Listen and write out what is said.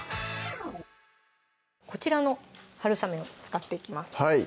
こちらのはるさめを使っていきます